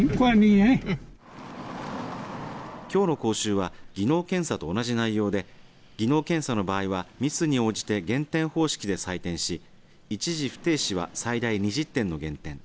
きょうの講習は技能検査と同じ内容で技能検査の場合は、ミスに応じて減点方式で採点し一時不停止は、最大２０点の減点